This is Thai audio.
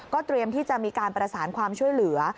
เตรียมที่จะมีการประสานความช่วยเหลือ